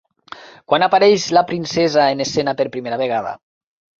Quan apareix la princesa en escena per primera vegada?